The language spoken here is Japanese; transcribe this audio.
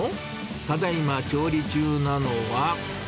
ただいま調理中なのは。